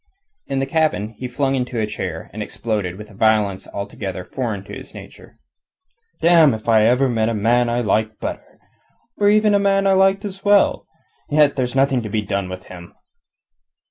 In the cabin he flung into a chair, and exploded, with a violence altogether foreign to his nature. "Damme if ever I met a man I liked better, or even a man I liked as well. Yet there's nothing to be done with him."